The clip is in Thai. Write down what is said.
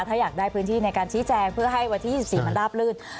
ถ้าอยากได้พื้นที่ในการชี้แจงเพื่อให้วันที่๒๔มันราบลื่น